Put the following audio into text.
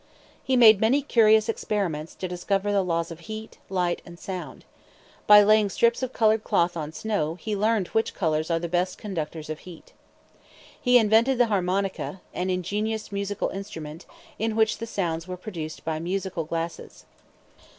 He made many curious experiments to discover the laws of heat, light, and sound. By laying strips of colored cloth on snow, he learned which colors are the best conductors of heat. He invented the harmonica, an ingenious musical instrument, in which the sounds were produced by musical glasses.